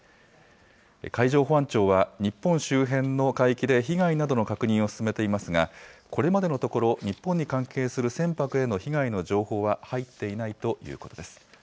海上保安庁は、日本周辺の海域で被害などの確認を進めていますが、これまでのところ、日本に関係する船舶への被害の情報は入っていないということです。